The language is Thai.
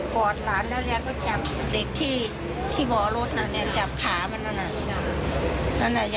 คุณผู้ชมไปฟังเสียงผู้รอดชีวิตกันหน่อยค่ะ